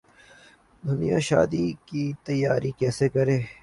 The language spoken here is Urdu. دلہنیں شادی کی تیاری کیسے کریں